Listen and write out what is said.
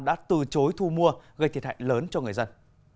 đã từ chối thu mua gây thiệt hại lớn cho người dân